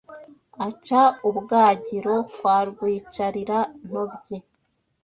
Aca ubwagiro kwa Rwicarira-ntobyi